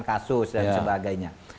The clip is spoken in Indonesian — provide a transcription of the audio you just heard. kasus dan sebagainya